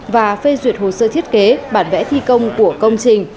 và phê duyệt hồ sơ thiết kế bản vẽ thi công của công trình